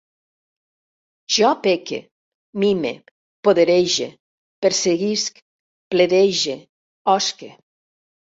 Jo peque, mime, poderege, perseguisc, pledege, osque